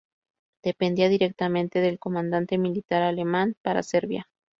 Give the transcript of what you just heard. Dependía directamente del comandante militar alemán para Serbia.